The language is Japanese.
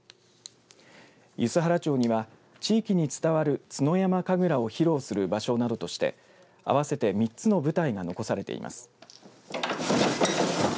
梼原町には地域に伝わる津野山神楽を披露する場所などとして合わせて３つの舞台が残されています。